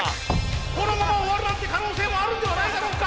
このまま終わるなんて可能性もあるんではないだろうか。